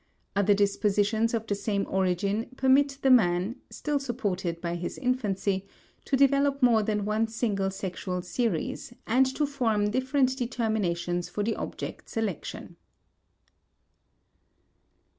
Other dispositions of the same origin permit the man, still supported by his infancy, to develop more than one single sexual series and to form different determinations for the object selection.